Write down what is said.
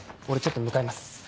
俺ちょっと向かいます。